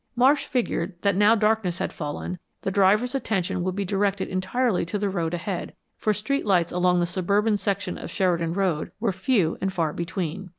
Marsh figured that now darkness had fallen, the driver's attention would be directed entirely to the road ahead, for street lights along the suburban section of Sheridan Road were few and far between.